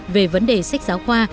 về vấn đề sách giáo khoa